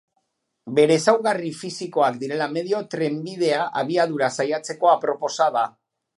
Bere ezaugarri fisikoak direla medio, trenbidea abiadura saiatzeko aproposa da.